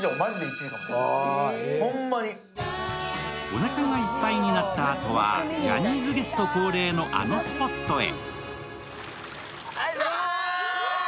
おなかがいっぱいになったあとは、ジャニーズゲスト恒例のあのスポットへ。